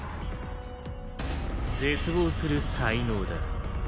絶望する才能だ。